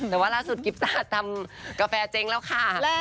แต่ว่าล่าสุดกิฟต้าทำกาแฟเจ๊งแล้วค่ะ